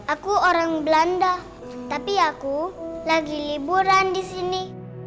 aku orang belanda tapi aku lagi liburan disini